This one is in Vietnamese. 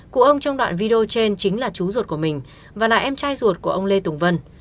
cụ ông trong đoạn video trên chính là chú ruột của mình và là em trai ruột của ông lê tùng vân